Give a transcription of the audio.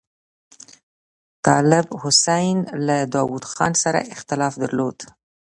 طالب حسین له داوود خان سره اختلاف درلود.